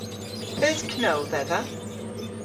Eus know dhedha?